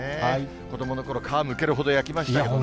子どものころ、皮むけるほど焼きましたけどね。